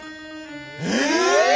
え！